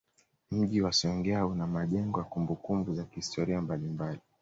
Mji wa Songea una majengo ya kumbukumbu za kihistoria mbalimbali